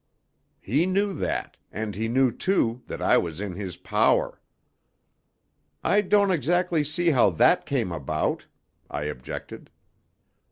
He knew that, and he knew, too, that I was in his power." "I don't exactly see how that came about," I objected.